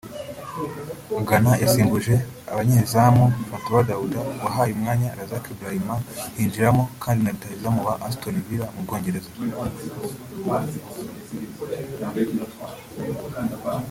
Ghana yasimbuje abanyezamu Fatau Dauda wahaye umwanya Razak Braimah hinjiramo kandi na rutahizamu wa Aston Villa mu Bwongereza